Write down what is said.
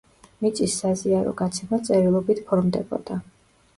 მიწის საზიარო გაცემა წერილობით ფორმდებოდა.